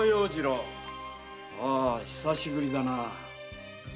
おお久しぶりだな。